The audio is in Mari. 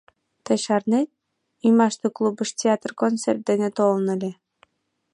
— Тый шарнет, ӱмаште клубыш театр концерт дене толын ыле?